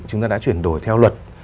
chúng ta đã chuyển đổi theo luật